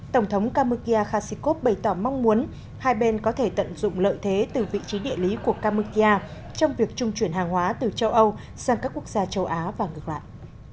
tổng thống kamukia khasikov bày tỏ mong muốn hai bên có thể tận dụng lợi thế từ vị trí địa lý của kamukia trong việc trung chuyển hàng hóa từ châu âu sang các quốc gia châu á và ngược lại